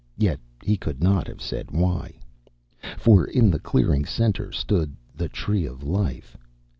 Yet he could not have said why. For in the clearing's center stood the Tree of Life.